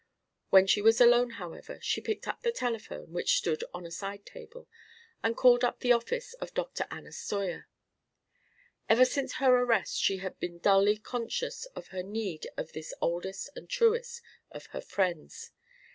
When she was alone, however, she picked up the telephone, which stood on a side table, and called up the office of Dr. Anna Steuer. Ever since her arrest she had been dully conscious of her need of this oldest and truest of her friends.